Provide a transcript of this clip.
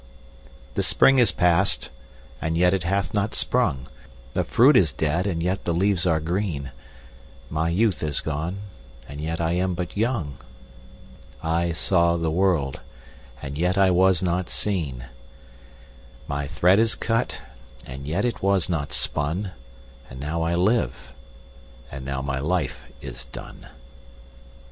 7The spring is past, and yet it hath not sprung,8The fruit is dead, and yet the leaves are green,9My youth is gone, and yet I am but young,10I saw the world, and yet I was not seen,11My thread is cut, and yet it was not spun,12And now I live, and now my life is done.